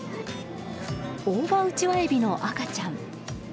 オオバウチワエビの赤ちゃん。